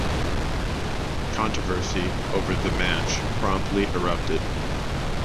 Controversy over the match promptly erupted.